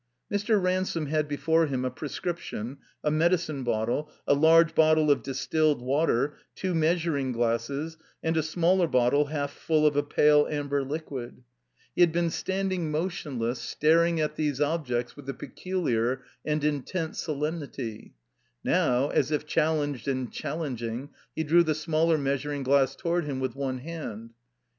Mr. Ransome had before him a prescription, a medicine bottle, a large bottle of distilled water, two 38 I THE COMBINED MAZE measuring glasses, and a smaller bottle half ftill of a pale amber liqtiid. He had been standing motion less, staring at these objects with a peculiar and in tent solemnity. Now, as if challenged and challeng ing, he drew the smaller meastuing glass toward him with one hand.